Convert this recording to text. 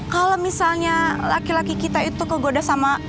kalau misalnya laki laki kita itu kegoda sama